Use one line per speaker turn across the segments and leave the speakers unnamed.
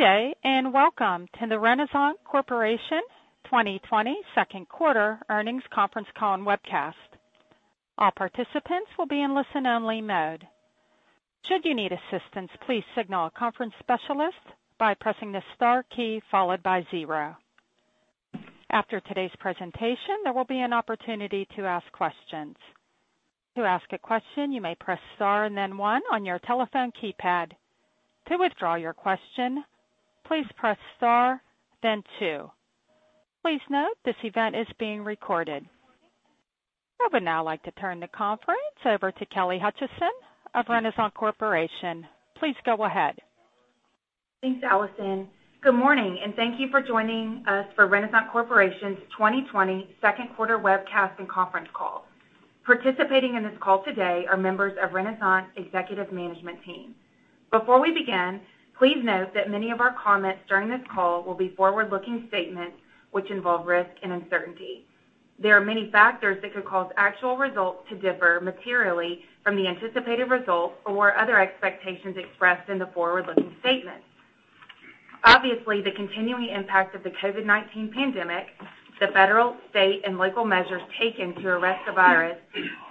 Good day, and welcome to the Renasant Corporation 2020 second quarter earnings conference call and webcast. All participants will be in listen-only mode. Should you need assistance, please signal a conference specialist by pressing the star key followed by zero. After today's presentation, there will be an opportunity to ask questions. To ask a question, you may press star and then one on your telephone keypad. To withdraw your question, please press star, then two. Please note this event is being recorded. I would now like to turn the conference over to Kelly Hutcheson of Renasant Corporation. Please go ahead.
Thanks, Allison. Good morning, and thank you for joining us for Renasant Corporation's 2020 second quarter webcast and conference call. Participating in this call today are members of Renasant executive management team. Before we begin, please note that many of our comments during this call will be forward-looking statements, which involve risk and uncertainty. There are many factors that could cause actual results to differ materially from the anticipated results or other expectations expressed in the forward-looking statements. Obviously, the continuing impact of the COVID-19 pandemic, the federal, state, and local measures taken to arrest the virus,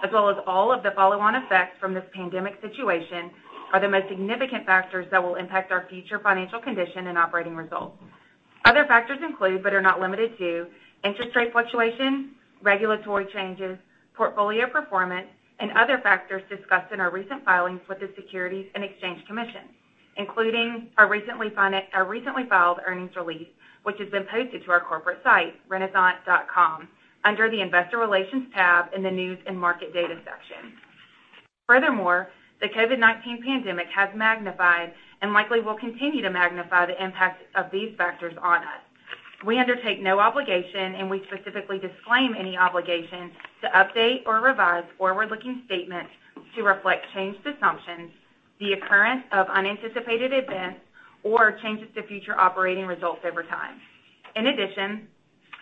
as well as all of the follow-on effects from this pandemic situation, are the most significant factors that will impact our future financial condition and operating results. Other factors include, but are not limited to, interest rate fluctuations, regulatory changes, portfolio performance, and other factors discussed in our recent filings with the Securities and Exchange Commission, including our recently filed earnings release, which has been posted to our corporate site, renasant.com, under the Investor Relations tab in the News & Market Data section. Furthermore, the COVID-19 pandemic has magnified and likely will continue to magnify the impact of these factors on us. We undertake no obligation, and we specifically disclaim any obligation to update or revise forward-looking statements to reflect changed assumptions, the occurrence of unanticipated events, or changes to future operating results over time. In addition,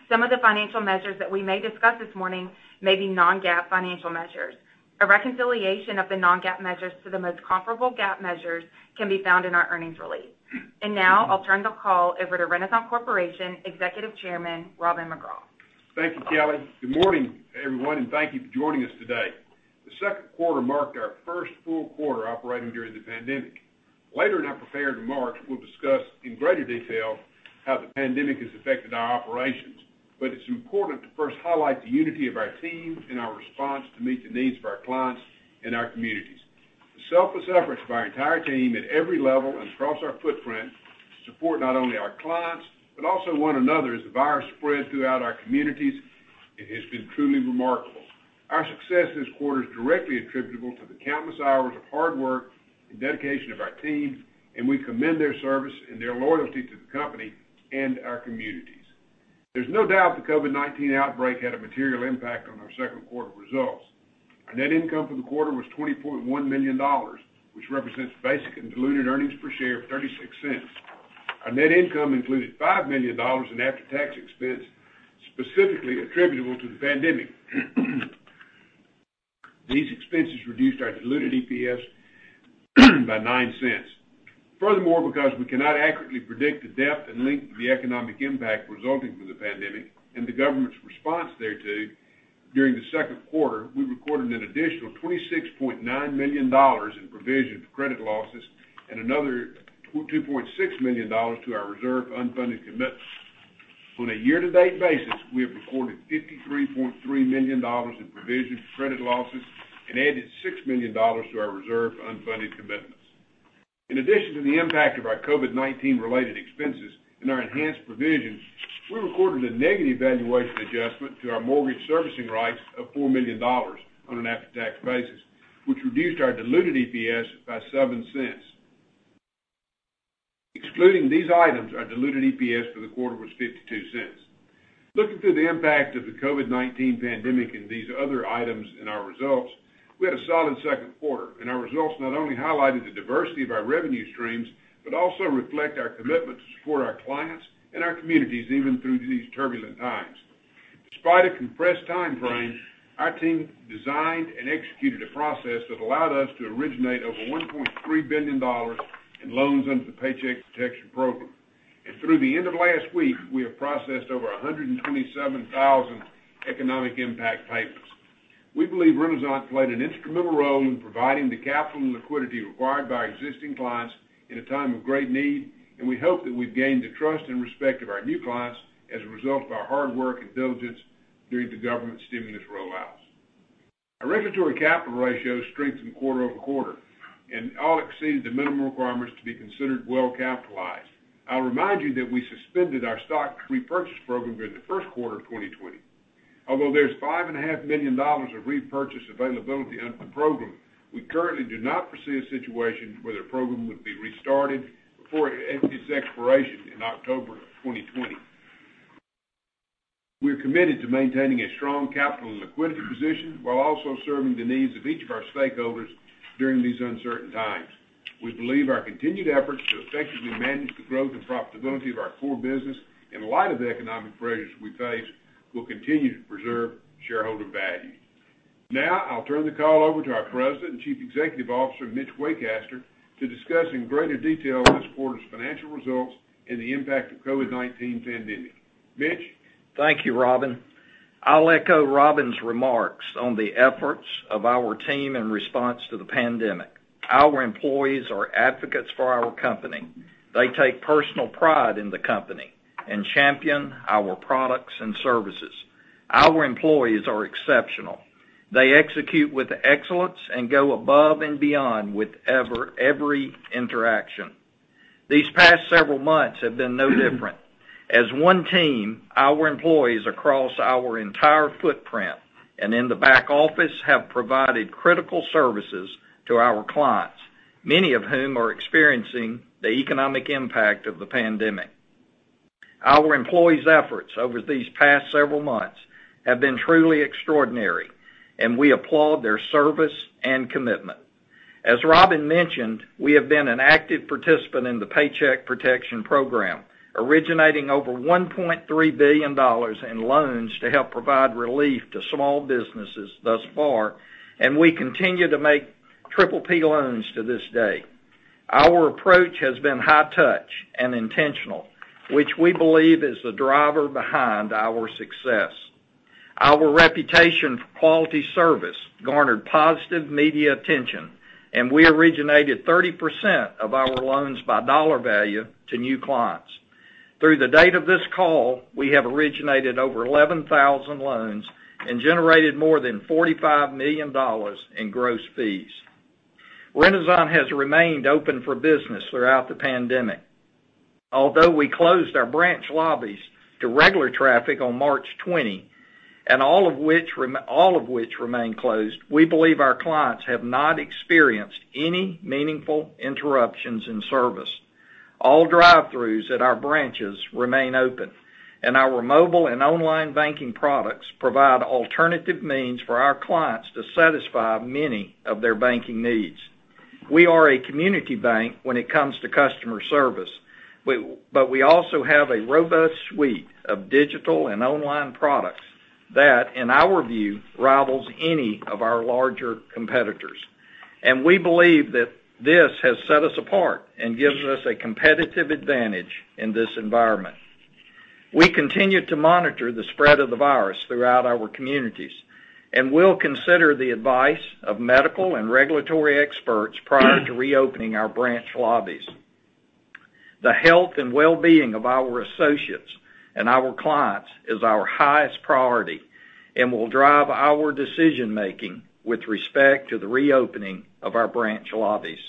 some of the financial measures that we may discuss this morning may be non-GAAP financial measures. A reconciliation of the non-GAAP measures to the most comparable GAAP measures can be found in our earnings release. Now I'll turn the call over to Renasant Corporation Executive Chairman, Robin McGraw.
Thank you, Kelly. Good morning, everyone, and thank you for joining us today. The second quarter marked our first full quarter operating during the pandemic. Later in our prepared remarks, we'll discuss in greater detail how the pandemic has affected our operations, but it's important to first highlight the unity of our teams and our response to meet the needs of our clients and our communities. The selfless efforts of our entire team at every level and across our footprint to support not only our clients, but also one another as the virus spread throughout our communities, it has been truly remarkable. Our success this quarter is directly attributable to the countless hours of hard work and dedication of our teams, and we commend their service and their loyalty to the company and our communities. There's no doubt the COVID-19 outbreak had a material impact on our second quarter results. Our net income for the quarter was $20.1 million, which represents basic and diluted earnings per share of $0.36. Our net income included $5 million in after-tax expense specifically attributable to the pandemic. These expenses reduced our diluted EPS by $0.09. Because we cannot accurately predict the depth and length of the economic impact resulting from the pandemic and the government's response thereto, during the second quarter, we recorded an additional $26.9 million in provision for credit losses and another $2.6 million to our reserve for unfunded commitments. On a year-to-date basis, we have recorded $53.3 million in provision for credit losses and added $6 million to our reserve for unfunded commitments. In addition to the impact of our COVID-19 related expenses and our enhanced provisions, we recorded a negative valuation adjustment to our mortgage servicing rights of $4 million on an after-tax basis, which reduced our diluted EPS by $0.07. Excluding these items, our diluted EPS for the quarter was $0.52. Looking through the impact of the COVID-19 pandemic and these other items in our results, we had a solid second quarter, and our results not only highlighted the diversity of our revenue streams, but also reflect our commitment to support our clients and our communities, even through these turbulent times. Despite a compressed timeframe, our team designed and executed a process that allowed us to originate over $1.3 billion in loans under the Paycheck Protection Program. Through the end of last week, we have processed over 127,000 Economic Impact Payments. We believe Renasant played an instrumental role in providing the capital and liquidity required by existing clients in a time of great need, and we hope that we've gained the trust and respect of our new clients as a result of our hard work and diligence during the government stimulus roll-outs. Our regulatory capital ratios strengthened quarter-over-quarter and all exceeded the minimum requirements to be considered well capitalized. I'll remind you that we suspended our stock repurchase program during the first quarter of 2020. Although there's $5.5 million of repurchase availability under the program, we currently do not foresee a situation where the program would be restarted before its expiration in October of 2020. We're committed to maintaining a strong capital and liquidity position while also serving the needs of each of our stakeholders during these uncertain times. We believe our continued efforts to effectively manage the growth and profitability of our core business in light of the economic pressures we face will continue to preserve shareholder value. I'll turn the call over to our President and Chief Executive Officer, Mitch Waycaster, to discuss in greater detail this quarter's financial results and the impact of COVID-19 pandemic. Mitch?
Thank you, Robin. I'll echo Robin's remarks on the efforts of our team in response to the pandemic. Our employees are advocates for our company. They take personal pride in the company and champion our products and services. Our employees are exceptional. They execute with excellence and go above and beyond with every interaction. These past several months have been no different. As one team, our employees across our entire footprint and in the back office have provided critical services to our clients, many of whom are experiencing the economic impact of the pandemic. Our employees' efforts over these past several months have been truly extraordinary, and we applaud their service and commitment. As Robin mentioned, we have been an active participant in the Paycheck Protection Program, originating over $1.3 billion in loans to help provide relief to small businesses thus far, and we continue to make Triple P loans to this day. Our approach has been high touch and intentional, which we believe is the driver behind our success. Our reputation for quality service garnered positive media attention. We originated 30% of our loans by dollar value to new clients. Through the date of this call, we have originated over 11,000 loans and generated more than $45 million in gross fees. Renasant has remained open for business throughout the pandemic. Although we closed our branch lobbies to regular traffic on March 20, and all of which remain closed, we believe our clients have not experienced any meaningful interruptions in service. All drive-throughs at our branches remain open, and our mobile and online banking products provide alternative means for our clients to satisfy many of their banking needs. We are a community bank when it comes to customer service, but we also have a robust suite of digital and online products that, in our view, rivals any of our larger competitors. We believe that this has set us apart and gives us a competitive advantage in this environment. We continue to monitor the spread of the virus throughout our communities and will consider the advice of medical and regulatory experts prior to reopening our branch lobbies. The health and well-being of our associates and our clients is our highest priority and will drive our decision-making with respect to the reopening of our branch lobbies.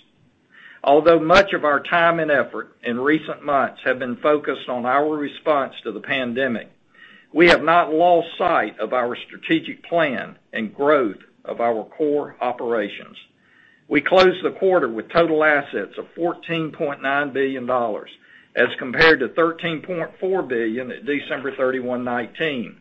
Although much of our time and effort in recent months have been focused on our response to the pandemic, we have not lost sight of our strategic plan and growth of our core operations. We closed the quarter with total assets of $14.9 billion as compared to $13.4 billion at December 31, 2019.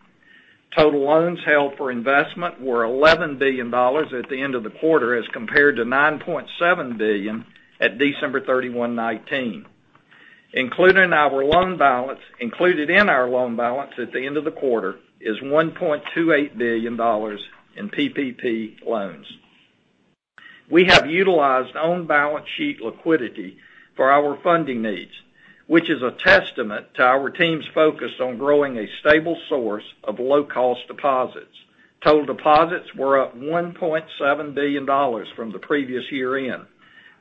Total loans held for investment were $11 billion at the end of the quarter as compared to $9.7 billion at December 31, 2019. Included in our loan balance at the end of the quarter is $1.28 billion in PPP loans. We have utilized on-balance sheet liquidity for our funding needs, which is a testament to our team's focus on growing a stable source of low-cost deposits. Total deposits were up $1.7 billion from the previous year-end,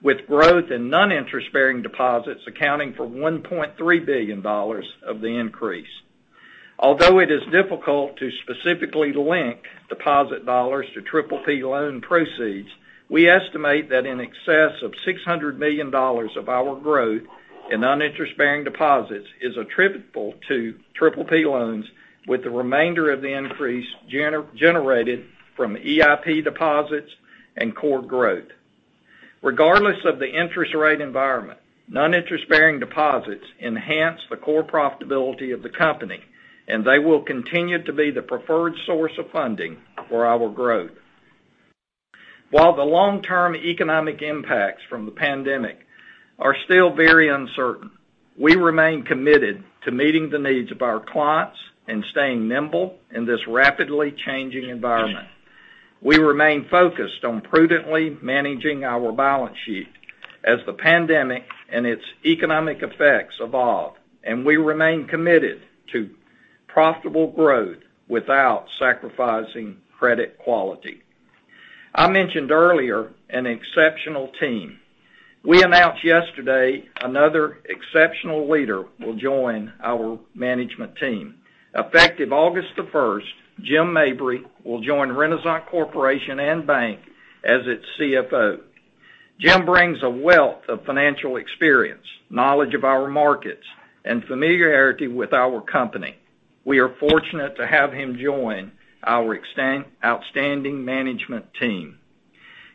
with growth in non-interest-bearing deposits accounting for $1.3 billion of the increase. Although it is difficult to specifically link deposit dollars to PPP loan proceeds, we estimate that in excess of $600 million of our growth in non-interest-bearing deposits is attributable to PPP loans with the remainder of the increase generated from EIP deposits and core growth. Regardless of the interest rate environment, non-interest-bearing deposits enhance the core profitability of the company, and they will continue to be the preferred source of funding for our growth. While the long-term economic impacts from the pandemic are still very uncertain, we remain committed to meeting the needs of our clients and staying nimble in this rapidly changing environment. We remain focused on prudently managing our balance sheet as the pandemic and its economic effects evolve, and we remain committed to profitable growth without sacrificing credit quality. I mentioned earlier an exceptional team. We announced yesterday another exceptional leader will join our management team. Effective August 1st, Jim Mabry will join Renasant Corporation and Bank as its CFO. Jim brings a wealth of financial experience, knowledge of our markets, and familiarity with our company. We are fortunate to have him join our outstanding management team.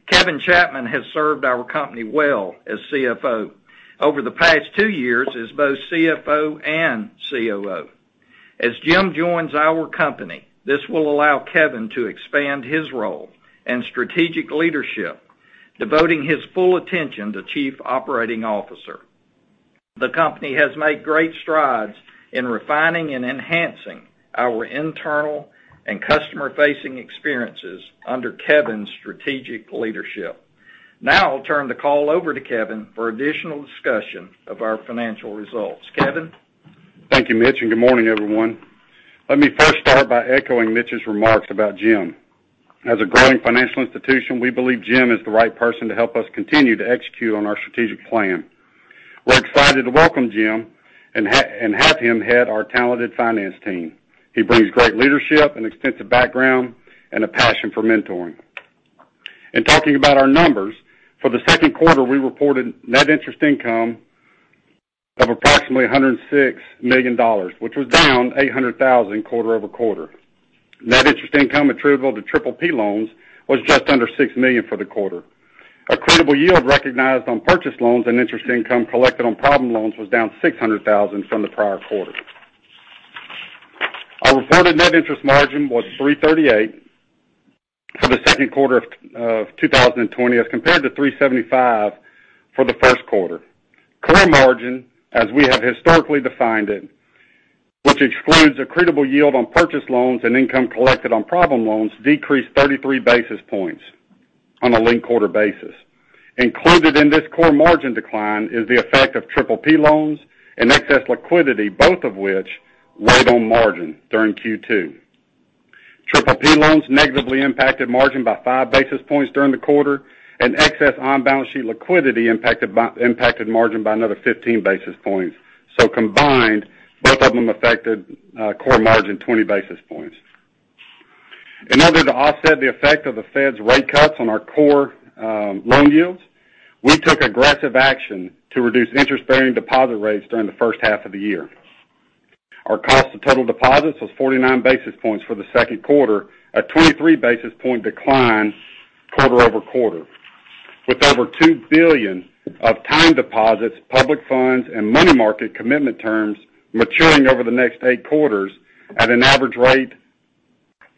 Kevin Chapman has served our company well as CFO over the past two years as both CFO and COO. As Jim joins our company, this will allow Kevin to expand his role in strategic leadership, devoting his full attention to Chief Operating Officer. The company has made great strides in refining and enhancing our internal and customer-facing experiences under Kevin's strategic leadership. Now I'll turn the call over to Kevin for additional discussion of our financial results. Kevin?
Thank you, Mitch. Good morning, everyone. Let me first start by echoing Mitch's remarks about Jim. As a growing financial institution, we believe Jim is the right person to help us continue to execute on our strategic plan. We're excited to welcome Jim and have him head our talented finance team. He brings great leadership, an extensive background, and a passion for mentoring. In talking about our numbers, for the second quarter, we reported net interest income of approximately $106 million, which was down $800,000 quarter-over-quarter. Net interest income attributable to PPP loans was just under $6 million for the quarter. Accretable yield recognized on purchased loans and interest income collected on problem loans was down $600,000 from the prior quarter. Our reported net interest margin was 3.38% for the second quarter of 2020 as compared to 3.75% for the first quarter. Core margin, as we have historically defined it, which excludes accretable yield on purchased loans and income collected on problem loans, decreased 33 basis points on a linked quarter basis. Included in this core margin decline is the effect of PPP loans and excess liquidity, both of which weighed on margin during Q2. PPP loans negatively impacted margin by 5 basis points during the quarter, and excess on-balance sheet liquidity impacted margin by another 15 basis points. Combined, both of them affected core margin 20 basis points. In order to offset the effect of the Fed's rate cuts on our core loan yields, we took aggressive action to reduce interest-bearing deposit rates during the first half of the year. Our cost of total deposits was 49 basis points for the second quarter, a 23 basis point decline quarter-over-quarter. With over $2 billion of time deposits, public funds, and money market commitment terms maturing over the next eight quarters at an average rate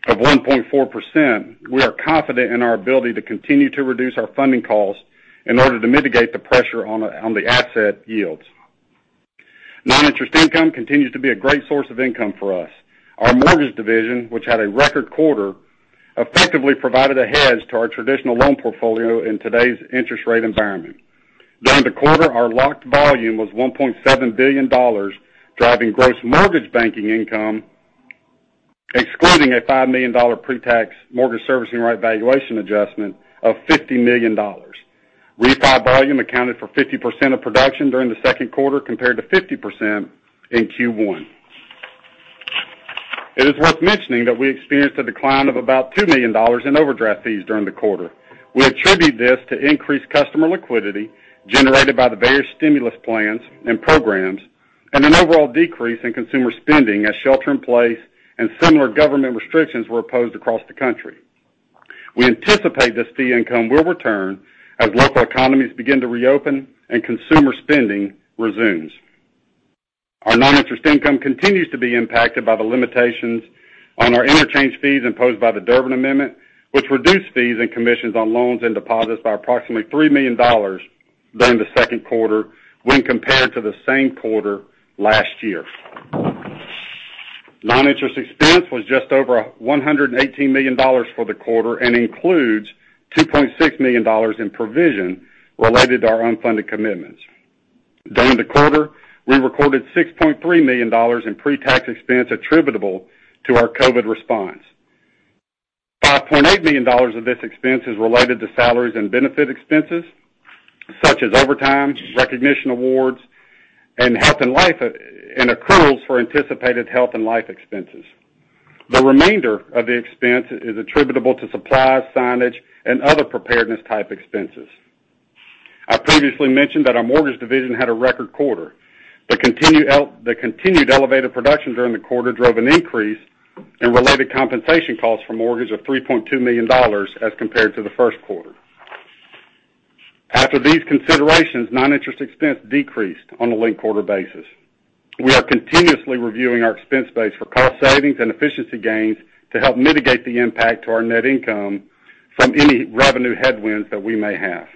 of 1.4%, we are confident in our ability to continue to reduce our funding costs in order to mitigate the pressure on the asset yields. Non-interest income continues to be a great source of income for us. Our mortgage division, which had a record quarter, effectively provided a hedge to our traditional loan portfolio in today's interest rate environment. During the quarter, our locked volume was $1.7 billion, driving gross mortgage banking income, excluding a $5 million pre-tax mortgage servicing rate valuation adjustment of $50 million. Refi volume accounted for 50% of production during the second quarter, compared to 50% in Q1. It is worth mentioning that we experienced a decline of about $2 million in overdraft fees during the quarter. We attribute this to increased customer liquidity generated by the various stimulus plans and programs, and an overall decrease in consumer spending as shelter-in-place and similar government restrictions were opposed across the country. We anticipate this fee income will return as local economies begin to reopen and consumer spending resumes. Our non-interest income continues to be impacted by the limitations on our interchange fees imposed by the Durbin Amendment, which reduced fees and commissions on loans and deposits by approximately $3 million during the second quarter when compared to the same quarter last year. Non-interest expense was just over $118 million for the quarter and includes $2.6 million in provision related to our unfunded commitments. During the quarter, we recorded $6.3 million in pre-tax expense attributable to our COVID response. $5.8 million of this expense is related to salaries and benefit expenses, such as overtime, recognition awards, and accruals for anticipated health and life expenses. The remainder of the expense is attributable to supplies, signage, and other preparedness-type expenses. I previously mentioned that our mortgage division had a record quarter. The continued elevated production during the quarter drove an increase in related compensation costs for mortgage of $3.2 million as compared to the first quarter. After these considerations, non-interest expense decreased on a linked quarter basis. We are continuously reviewing our expense base for cost savings and efficiency gains to help mitigate the impact to our net income from any revenue headwinds that we may have.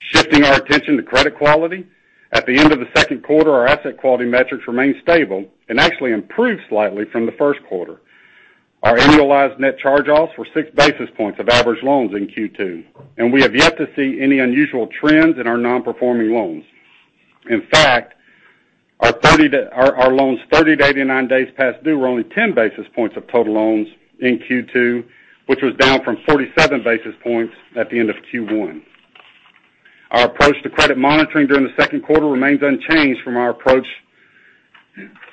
Shifting our attention to credit quality, at the end of the second quarter, our asset quality metrics remained stable and actually improved slightly from the first quarter. Our annualized net charge-offs were 6 basis points of average loans in Q2, and we have yet to see any unusual trends in our non-performing loans. In fact, our loans 30-89 days past due were only 10 basis points of total loans in Q2, which was down from 37 basis points at the end of Q1. Our approach to credit monitoring during the second quarter remains unchanged from our approach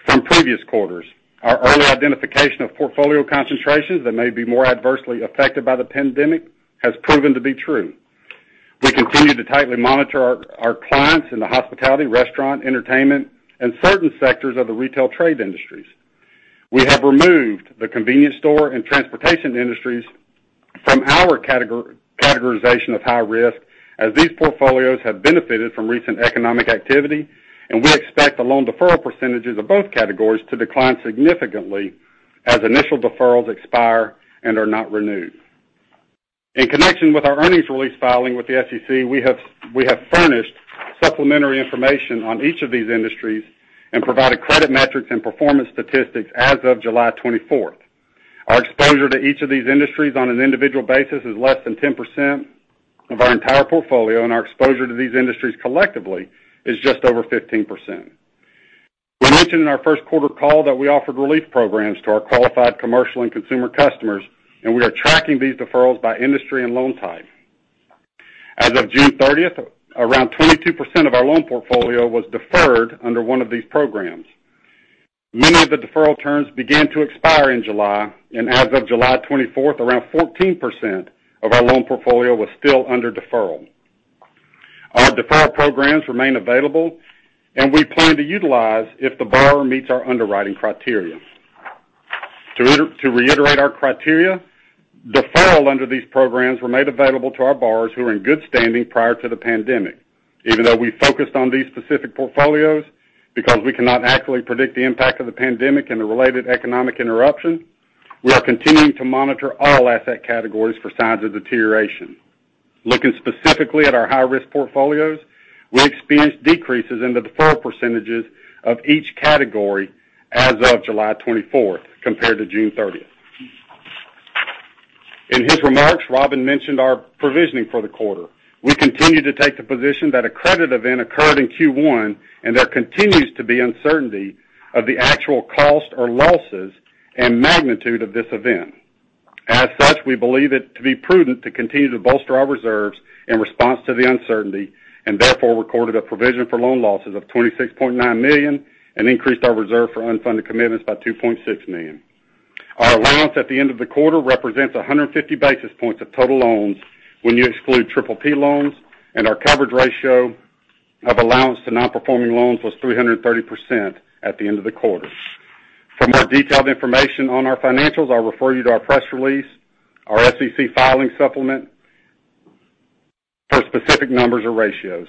from previous quarters. Our early identification of portfolio concentrations that may be more adversely affected by the pandemic has proven to be true. We continue to tightly monitor our clients in the hospitality, restaurant, entertainment, and certain sectors of the retail trade industries. We have removed the convenience store and transportation industries from our categorization of high risk, as these portfolios have benefited from recent economic activity, and we expect the loan deferral percentages of both categories to decline significantly as initial deferrals expire and are not renewed. In connection with our earnings release filing with the SEC, we have furnished supplementary information on each of these industries and provided credit metrics and performance statistics as of July 24th. Our exposure to each of these industries on an individual basis is less than 10% of our entire portfolio, and our exposure to these industries collectively is just over 15%. We mentioned in our first quarter call that we offered relief programs to our qualified commercial and consumer customers, and we are tracking these deferrals by industry and loan type. As of June 30th, around 22% of our loan portfolio was deferred under one of these programs. As of July 24th, around 14% of our loan portfolio was still under deferral. Our deferral programs remain available, we plan to utilize if the borrower meets our underwriting criteria. To reiterate our criteria, deferral under these programs were made available to our borrowers who were in good standing prior to the pandemic. Even though we focused on these specific portfolios, because we cannot accurately predict the impact of the pandemic and the related economic interruption, we are continuing to monitor all asset categories for signs of deterioration. Looking specifically at our high-risk portfolios, we experienced decreases in the deferral percentages of each category as of July 24th compared to June 30th. In his remarks, Robin mentioned our provisioning for the quarter. We continue to take the position that a credit event occurred in Q1, and there continues to be uncertainty of the actual cost or losses and magnitude of this event. As such, we believe it to be prudent to continue to bolster our reserves in response to the uncertainty, and therefore recorded a provision for loan losses of $26.9 million and increased our reserve for unfunded commitments by $2.6 million. Our allowance at the end of the quarter represents 150 basis points of total loans when you exclude Triple P loans, and our coverage ratio of allowance to non-performing loans was 330% at the end of the quarter. For more detailed information on our financials, I'll refer you to our press release, our SEC filing supplement for specific numbers or ratios.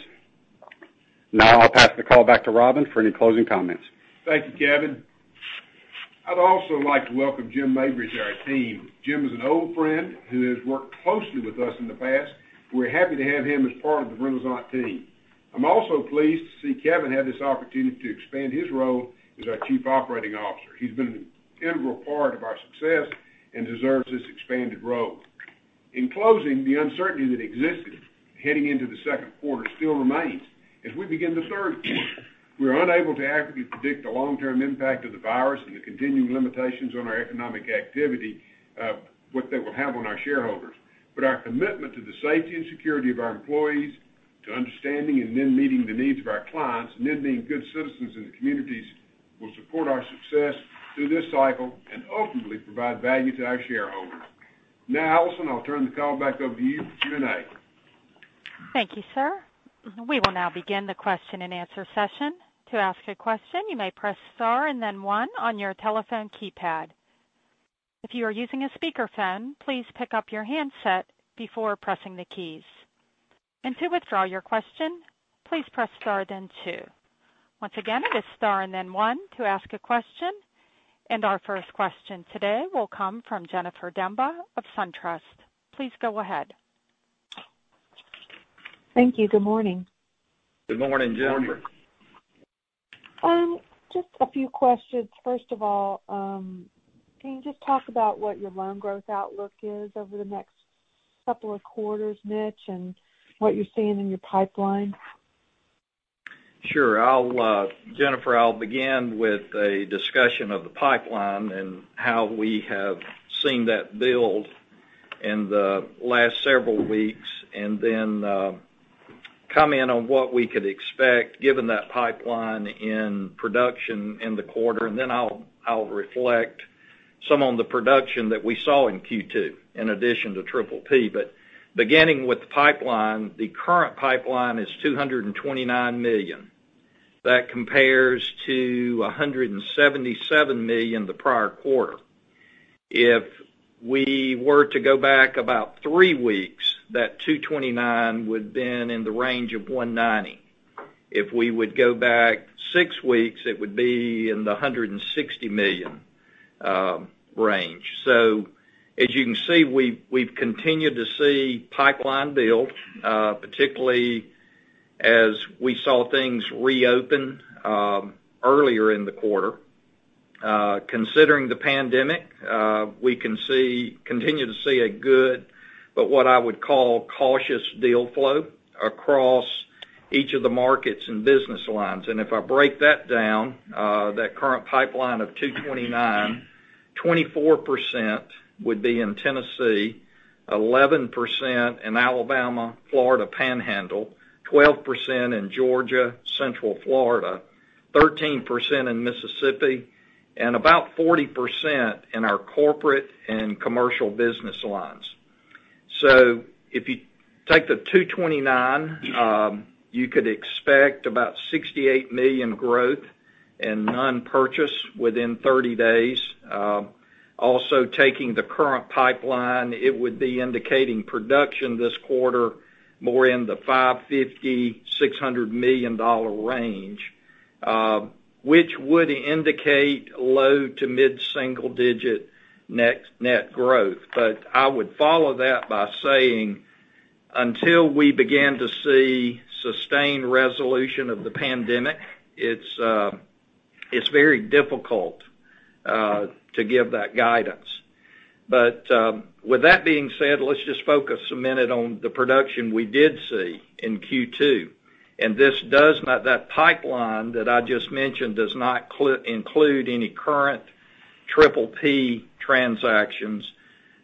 I'll pass the call back to Robin for any closing comments.
Thank you, Kevin. I'd also like to welcome Jim Mabry to our team. Jim is an old friend who has worked closely with us in the past. We're happy to have him as part of the Renasant team. I'm also pleased to see Kevin have this opportunity to expand his role as our Chief Operating Officer. He's been an integral part of our success and deserves this expanded role. In closing, the uncertainty that existed heading into the second quarter still remains as we begin the third quarter. We are unable to accurately predict the long-term impact of the virus and the continuing limitations on our economic activity, what they will have on our shareholders. Our commitment to the safety and security of our employees, to understanding and then meeting the needs of our clients, and then being good citizens in the communities, will support our success through this cycle and ultimately provide value to our shareholders. Allison, I'll turn the call back over to you for Q&A.
Thank you, sir. We will now begin the question-and-answer session. To ask a question, you may press star and then one on your telephone keypad. If you are using a speakerphone, please pick up your handset before pressing the keys. To withdraw your question, please press star, then two. Once again, it is star and then one to ask a question. Our first question today will come from Jennifer Demba of SunTrust. Please go ahead.
Thank you. Good morning.
Good morning, Jennifer.
Just a few questions. First of all, can you just talk about what your loan growth outlook is over the next couple of quarters, Mitch, and what you're seeing in your pipeline?
Sure. Jennifer, I'll begin with a discussion of the pipeline and how we have seen that build in the last several weeks. Comment on what we could expect given that pipeline in production in the quarter. I'll reflect some on the production that we saw in Q2 in addition to PPP. Beginning with the pipeline, the current pipeline is $229 million. That compares to $177 million the prior quarter. If we were to go back about three weeks, that $229 million would then in the range of $190 million. If we would go back six weeks, it would be in the $160 million range. As you can see, we've continued to see pipeline build, particularly as we saw things reopen earlier in the quarter. Considering the pandemic, we continue to see a good, but what I would call cautious deal flow across each of the markets and business lines. If I break that down, that current pipeline of 229, 24% would be in Tennessee, 11% in Alabama, Florida Panhandle, 12% in Georgia, Central Florida, 13% in Mississippi, and about 40% in our corporate and commercial business lines. If you take the 229, you could expect about $68 million growth and non-purchase within 30 days. Also taking the current pipeline, it would be indicating production this quarter more in the $550 million-$600 million range. Which would indicate low to mid single-digit net growth. I would follow that by saying, until we begin to see sustained resolution of the pandemic, it's very difficult to give that guidance. With that being said, let's just focus a minute on the production we did see in Q2. That pipeline that I just mentioned does not include any current PPP transactions,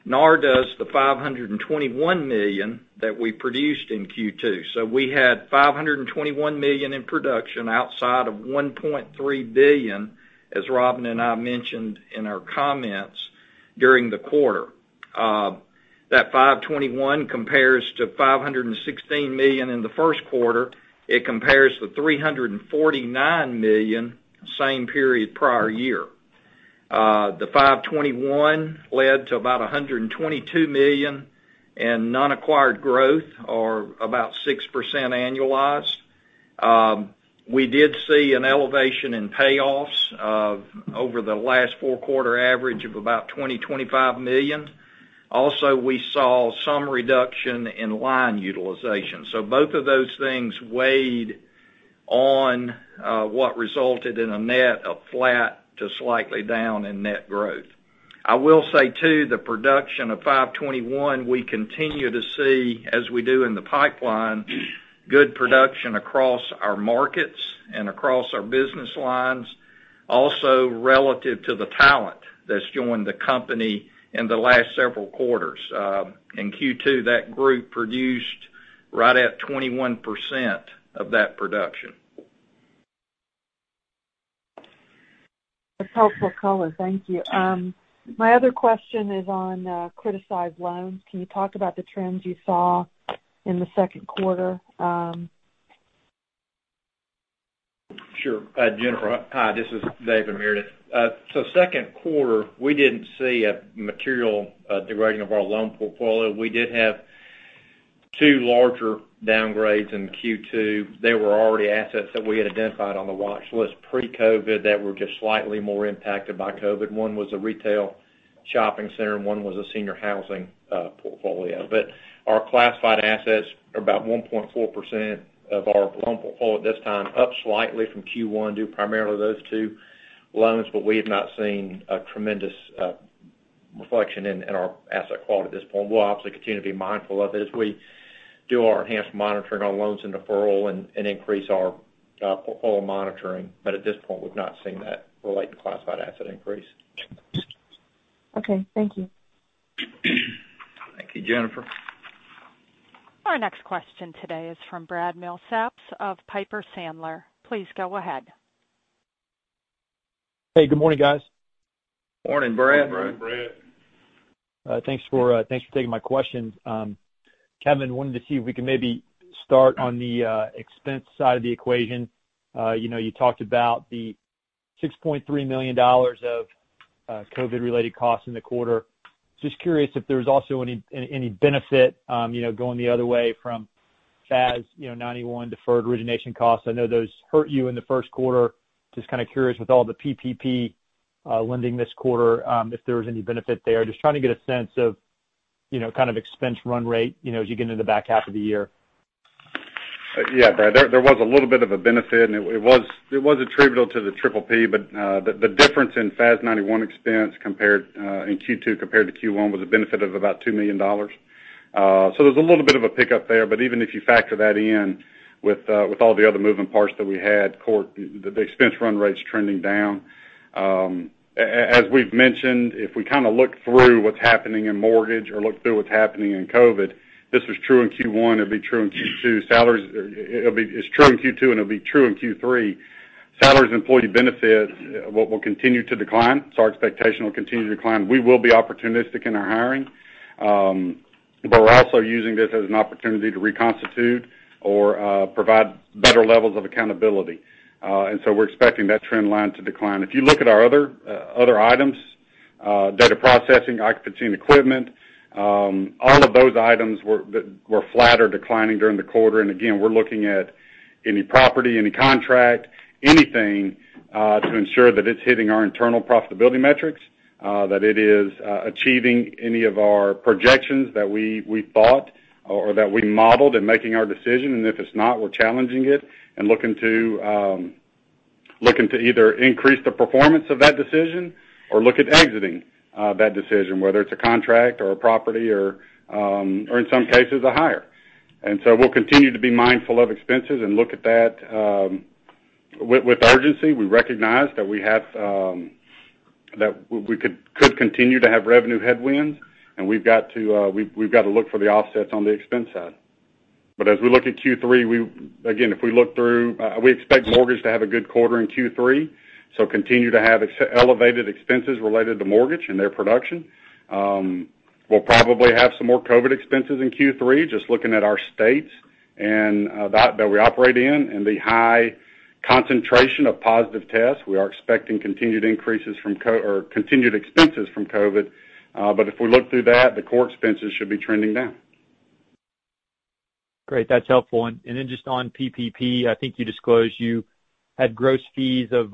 nor does the $521 million that we produced in Q2. We had $521 million in production outside of $1.3 billion, as Robin and I mentioned in our comments during the quarter. That $521 compares to $516 million in the first quarter. It compares to $349 million, same period prior year. The $521 led to about $122 million in non-acquired growth or about 6% annualized. We did see an elevation in payoffs of over the last four quarter average of about $2,025 million. Also, we saw some reduction in line utilization. Both of those things weighed on what resulted in a net of flat to slightly down in net growth. I will say, too, the production of $521, we continue to see, as we do in the pipeline, good production across our markets and across our business lines. Also relative to the talent that's joined the company in the last several quarters. In Q2, that group produced right at 21% of that production.
That's helpful. Thank you. My other question is on criticized loans. Can you talk about the trends you saw in the second quarter?
Sure. Jennifer, hi, this is David Meredith. Second quarter, we didn't see a material degradation of our loan portfolio. We did have two larger downgrades in Q2. They were already assets that we had identified on the watch list pre-COVID that were just slightly more impacted by COVID. One was a retail shopping center, and one was a senior housing portfolio. Our classified assets are about 1.4% of our loan portfolio at this time, up slightly from Q1, due primarily to those two loans. We have not seen a tremendous reflection in our asset quality at this point. We'll obviously continue to be mindful of it as we do our enhanced monitoring on loans and deferral and increase our portfolio monitoring. At this point, we've not seen that relate to classified asset increase.
Okay. Thank you.
Thank you, Jennifer.
Our next question today is from Brad Milsaps of Piper Sandler. Please go ahead.
Hey, good morning, guys.
Morning, Brad.
Morning, Brad.
Thanks for taking my questions. Kevin, wanted to see if we could maybe start on the expense side of the equation. You talked about the $6.3 million of COVID related costs in the quarter. Just curious if there was also any benefit going the other way from FAS 91 deferred origination costs. I know those hurt you in the first quarter. Just kind of curious with all the PPP lending this quarter if there was any benefit there. Just trying to get a sense of kind of expense run rate as you get into the back half of the year.
Yeah, Brad, there was a little bit of a benefit. It was attributable to the PPP. The difference in FAS 91 expense in Q2 compared to Q1 was a benefit of about $2 million. There's a little bit of a pickup there. Even if you factor that in with all the other moving parts that we had, the expense run rate's trending down. As we've mentioned, if we kind of look through what's happening in mortgage or look through what's happening in COVID, this was true in Q1, it'll be true in Q2. It's true in Q2. It'll be true in Q3. Salaries and employee benefit will continue to decline. Our expectation will continue to decline. We will be opportunistic in our hiring. We're also using this as an opportunity to reconstitute or provide better levels of accountability. We're expecting that trend line to decline. If you look at our other items, data processing, occupancy and equipment, all of those items were flat or declining during the quarter. Again, we're looking at any property, any contract, anything, to ensure that it's hitting our internal profitability metrics, that it is achieving any of our projections that we thought or that we modeled in making our decision. If it's not, we're challenging it and looking to either increase the performance of that decision or look at exiting that decision, whether it's a contract or a property or, in some cases, a hire. We'll continue to be mindful of expenses and look at that with urgency. We recognize that we could continue to have revenue headwinds, and we've got to look for the offsets on the expense side. As we look at Q3, again, we expect mortgage to have a good quarter in Q3. Continue to have elevated expenses related to mortgage and their production. We'll probably have some more COVID-19 expenses in Q3, just looking at our states that we operate in and the high concentration of positive tests. We are expecting continued expenses from COVID-19. If we look through that, the core expenses should be trending down.
Great. That's helpful. Then just on PPP, I think you disclosed you had gross fees of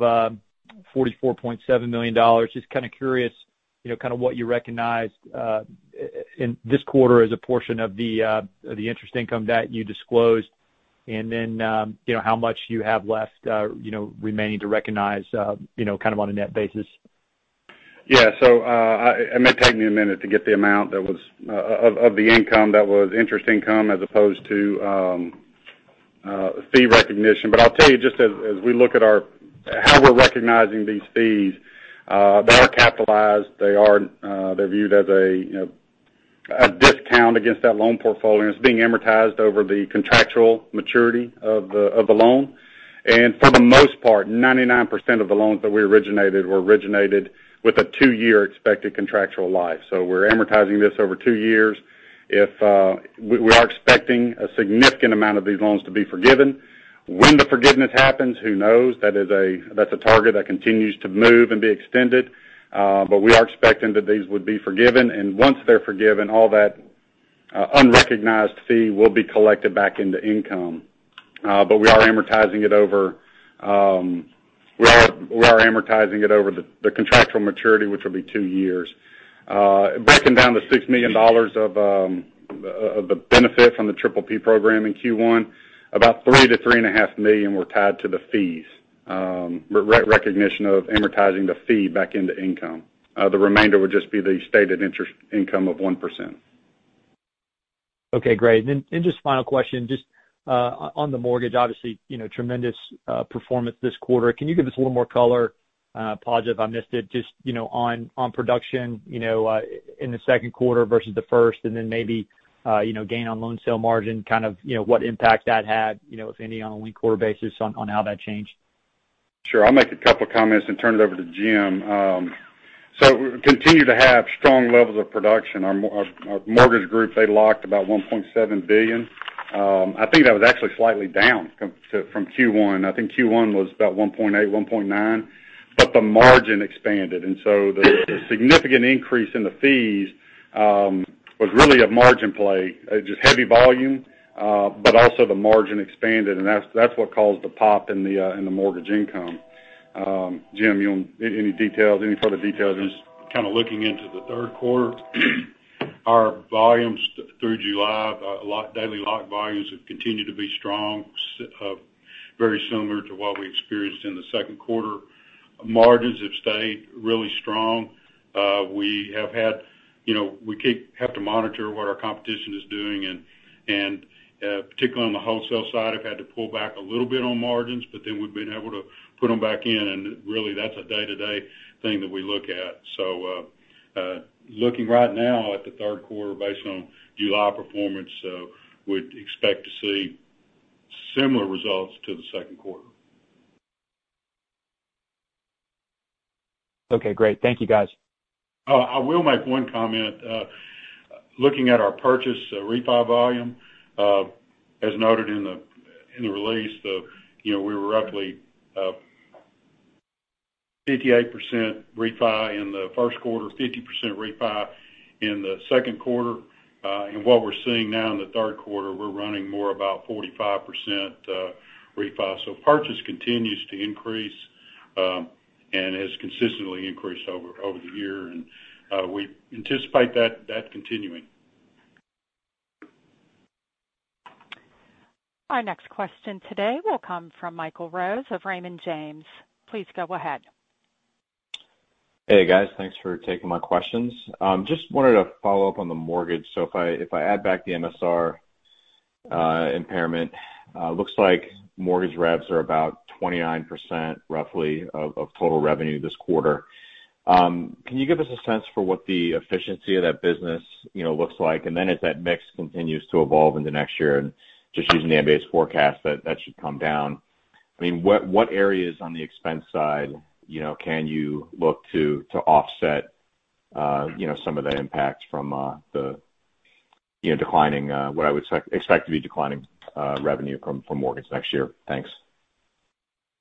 $44.7 million. Just kind of curious what you recognized, in this quarter, as a portion of the interest income that you disclosed and then how much you have left remaining to recognize on a net basis.
It may take me one minute to get the amount of the income that was interest income as opposed to fee recognition. I'll tell you, just as we look at how we're recognizing these fees, they are capitalized. They're viewed as a discount against that loan portfolio, and it's being amortized over the contractual maturity of the loan. For the most part, 99% of the loans that we originated were originated with a two-year expected contractual life. We're amortizing this over two years. We are expecting a significant amount of these loans to be forgiven. When the forgiveness happens, who knows? That's a target that continues to move and be extended. We are expecting that these would be forgiven, and once they're forgiven, all that unrecognized fee will be collected back into income. We are amortizing it over the contractual maturity, which will be two years. Breaking down the $6 million of the benefit from the PPP Program in Q1, about $3 million-$3.5 million were tied to the fees, recognition of amortizing the fee back into income. The remainder would just be the stated interest income of 1%.
Okay, great. Just final question, just on the mortgage, obviously, tremendous performance this quarter. Can you give us a little more color, apologize if I missed it, just on production in the second quarter versus the first, maybe gain on loan sale margin, kind of what impact that had, if any, on a linked quarter basis on how that changed?
Sure. I'll make a couple comments and turn it over to Jim. We continue to have strong levels of production. Our mortgage group, they locked about $1.7 billion. I think that was actually slightly down from Q1. I think Q1 was about $1.8, $1.9. The margin expanded, the significant increase in the fees was really a margin play, just heavy volume, but also the margin expanded, and that's what caused the pop in the mortgage income. Jim, any further details?
Just kind of looking into the third quarter, our volumes through July, daily lock volumes have continued to be strong, very similar to what we experienced in the second quarter. Margins have stayed really strong. We have to monitor what our competition is doing, and particularly on the wholesale side, have had to pull back a little bit on margins, but then we've been able to put them back in, and really that's a day-to-day thing that we look at. Looking right now at the third quarter based on July performance, we'd expect to see similar results to the second quarter.
Okay, great. Thank you, guys.
I will make one comment. Looking at our purchase refi volume, as noted in the release, we were roughly 58% refi in the first quarter, 50% refi in the second quarter. What we're seeing now in the third quarter, we're running more about 45% refi. Purchase continues to increase, and has consistently increased over the year, and we anticipate that continuing.
Our next question today will come from Michael Rose of Raymond James. Please go ahead.
Hey, guys. Thanks for taking my questions. Wanted to follow up on the mortgage. If I add back the MSR impairment, looks like mortgage revs are about 29%, roughly, of total revenue this quarter. Can you give us a sense for what the efficiency of that business looks like? As that mix continues to evolve into next year, using the MBA's forecast, that should come down. What areas on the expense side can you look to offset some of the impact from what I would expect to be declining revenue from mortgage next year? Thanks.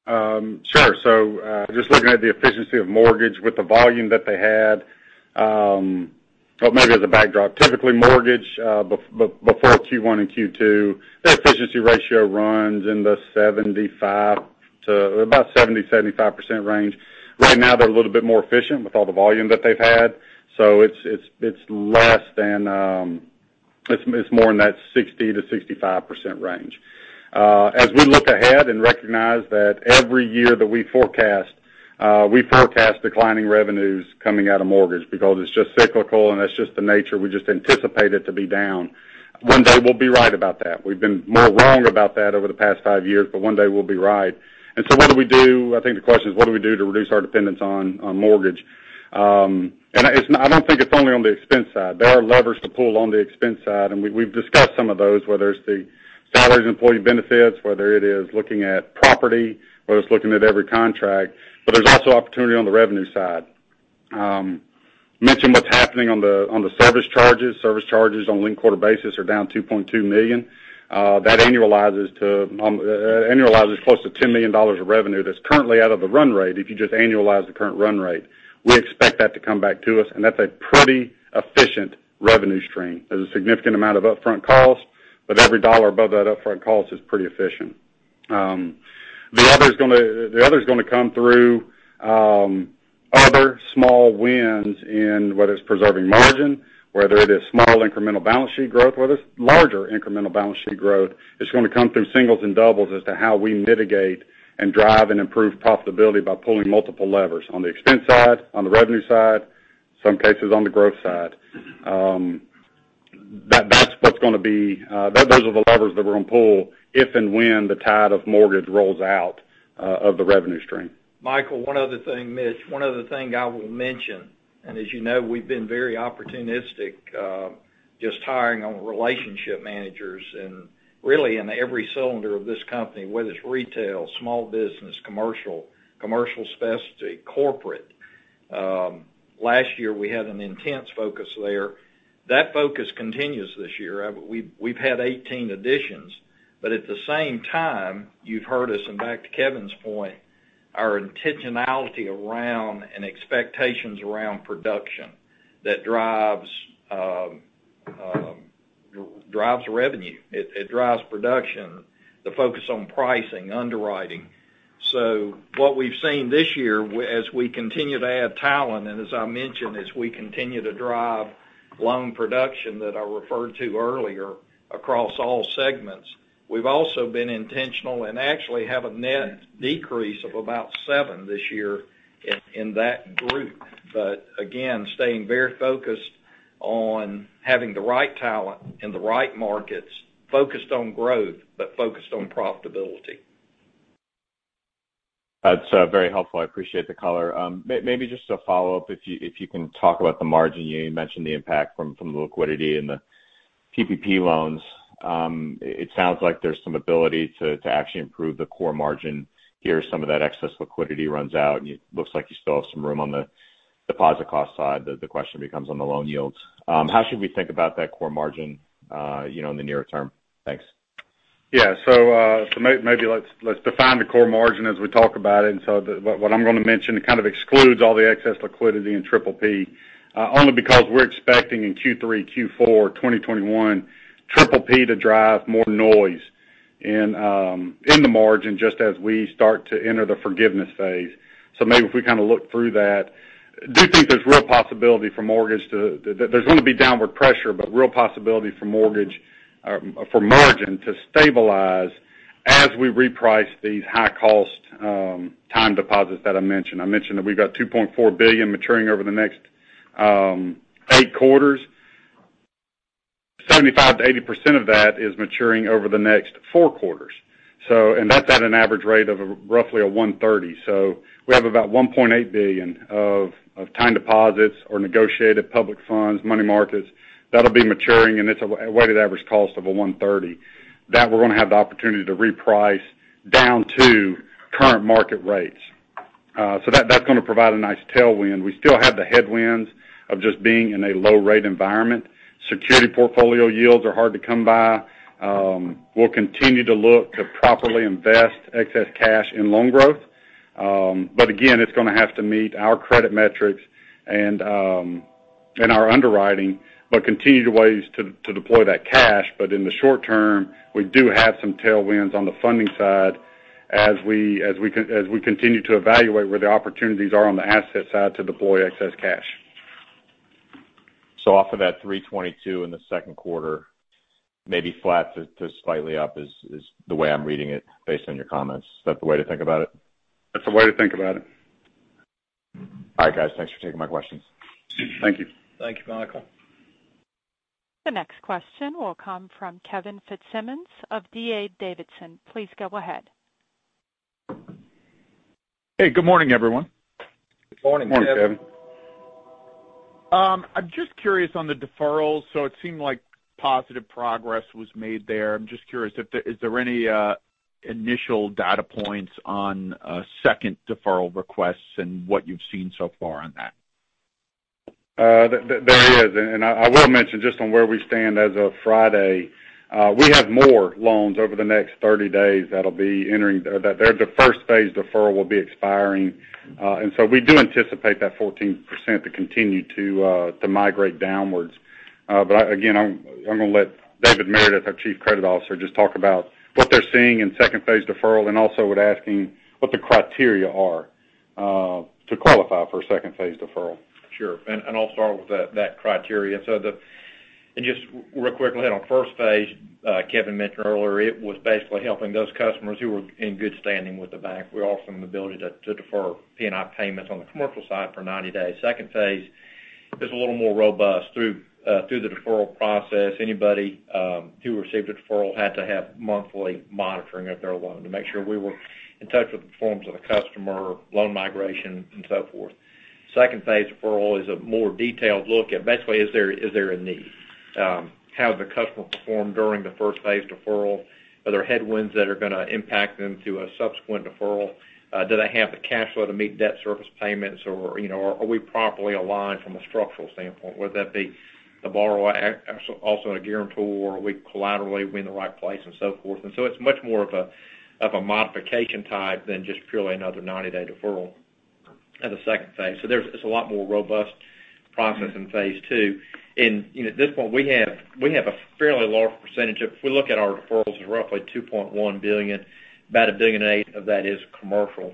Sure. Just looking at the efficiency of mortgage with the volume that they had, or maybe as a backdrop. Typically, mortgage, before Q1 and Q2, their efficiency ratio runs in the about 70%-75% range. Right now, they're a little bit more efficient with all the volume that they've had. It's more in that 60%-65% range. As we look ahead and recognize that every year that we forecast, we forecast declining revenues coming out of mortgage because it's just cyclical, and that's just the nature. We just anticipate it to be down. One day we'll be right about that. We've been more wrong about that over the past five years, one day we'll be right. What do we do? I think the question is what do we do to reduce our dependence on mortgage? I don't think it's only on the expense side. There are levers to pull on the expense side, and we've discussed some of those, whether it's the salaries, employee benefits, whether it is looking at property, whether it's looking at every contract, but there's also opportunity on the revenue side. Mentioned what's happening on the service charges. Service charges on linked quarter basis are down $2.2 million. That annualizes close to $10 million of revenue that's currently out of the run rate, if you just annualize the current run rate. We expect that to come back to us, and that's a pretty efficient revenue stream. There's a significant amount of upfront costs, but every dollar above that upfront cost is pretty efficient. The other is going to come through other small wins in whether it's preserving margin, whether it is small incremental balance sheet growth, whether it's larger incremental balance sheet growth. It's going to come through singles and doubles as to how we mitigate and drive and improve profitability by pulling multiple levers on the expense side, on the revenue side, some cases on the growth side. Those are the levers that we're going to pull if and when the tide of mortgage rolls out of the revenue stream.
Michael, one other thing, Mitch, one other thing I will mention. As you know, we've been very opportunistic, just hiring on relationship managers and really in every cylinder of this company, whether it's retail, small business, commercial specialty, corporate. Last year, we had an intense focus there. That focus continues this year. We've had 18 additions. At the same time, you've heard us, back to Kevin's point, our intentionality around and expectations around production that drives revenue. It drives production, the focus on pricing, underwriting. What we've seen this year, as we continue to add talent, and as I mentioned, as we continue to drive loan production that I referred to earlier across all segments, we've also been intentional and actually have a net decrease of about seven this year in that group. Again, staying very focused on having the right talent in the right markets, focused on growth, but focused on profitability.
That's very helpful. I appreciate the color. Maybe just to follow up, if you can talk about the margin. You mentioned the impact from the liquidity and the PPP loans. It sounds like there's some ability to actually improve the core margin here as some of that excess liquidity runs out, and it looks like you still have some room on the deposit cost side. The question becomes on the loan yields. How should we think about that core margin, in the near term? Thanks.
Yeah. Maybe let's define the core margin as we talk about it. What I'm going to mention kind of excludes all the excess liquidity in PPP, only because we're expecting in Q3, Q4 2021, PPP to drive more noise in the margin, just as we start to enter the forgiveness phase. Maybe if we kind of look through that. Do think there's going to be downward pressure, but real possibility for margin to stabilize as we reprice these high-cost time deposits that I mentioned. I mentioned that we've got $2.4 billion maturing over the next eight quarters. 75%-80% of that is maturing over the next four quarters. That's at an average rate of roughly a 130. We have about $1.8 billion of time deposits or negotiated public funds, money markets that'll be maturing, and it's a weighted average cost of a 130. We're going to have the opportunity to reprice down to current market rates. That's going to provide a nice tailwind. We still have the headwinds of just being in a low-rate environment. Security portfolio yields are hard to come by. We'll continue to look to properly invest excess cash in loan growth. Again, it's going to have to meet our credit metrics and our underwriting, but continue the ways to deploy that cash. In the short term, we do have some tailwinds on the funding side as we continue to evaluate where the opportunities are on the asset side to deploy excess cash.
Off of that $322 in the second quarter, maybe flat to slightly up is the way I'm reading it based on your comments. Is that the way to think about it?
That's the way to think about it.
All right, guys. Thanks for taking my questions.
Thank you.
Thank you, Michael.
The next question will come from Kevin Fitzsimmons of D.A. Davidson. Please go ahead.
Hey, good morning, everyone.
Good morning, Kevin.
Morning, Kevin.
I'm just curious on the deferrals. It seemed like positive progress was made there. I'm just curious, is there any initial data points on second deferral requests and what you've seen so far on that?
There is, and I will mention just on where we stand as of Friday. We have more loans over the next 30 days that the first phase deferral will be expiring. We do anticipate that 14% to continue to migrate downwards. Again, I'm going to let David Meredith, our Chief Credit Officer, just talk about what they're seeing in second phase deferral, and also would ask him what the criteria are to qualify for a second phase deferral.
Sure. I'll start with that criteria. Just real quickly on phase I, Kevin mentioned earlier, it was basically helping those customers who were in good standing with the bank. We offered them the ability to defer P&I payments on the commercial side for 90 days. Phase II is a little more robust through the deferral process. Anybody who received a deferral had to have monthly monitoring of their loan to make sure we were in touch with the performance of the customer, loan migration, and so forth. Phase II deferral is a more detailed look at basically, is there a need? How the customer performed during the phase I deferral. Are there headwinds that are going to impact them to a subsequent deferral? Do they have the cash flow to meet debt service payments, or are we properly aligned from a structural standpoint, whether that be the borrower also a guarantor, or are we collaterally in the right place and so forth. It's much more of a modification type than just purely another 90-day deferral. Of the phase II. It's a lot more robust process in phase II. At this point, we have a fairly large percentage. If we look at our deferrals, it's roughly $2.1 billion. About $1.8 billion of that is commercial